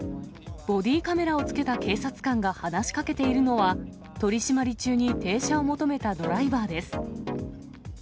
ボディーカメラをつけた警察官が話しかけているのは、取締り中に停車を求めたドライバーです。